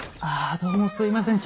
どうもすいません。